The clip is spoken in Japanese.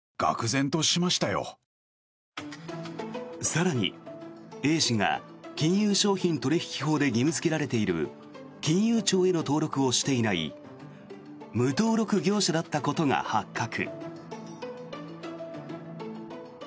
更にＡ氏が、金融商品取引法で義務付けられている金融庁への登録をしていない無登録業者だったことが発覚。